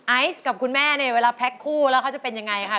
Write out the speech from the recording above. ไอซ์กับคุณแม่เนี่ยเวลาแพ็คคู่แล้วเขาจะเป็นยังไงคะ